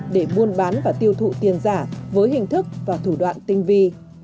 để buôn bán và tiêu thụ tiền giả với hình thức và thủ đoạn tinh vi